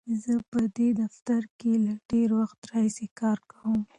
زه په دې دفتر کې له ډېر وخت راهیسې کار کوم.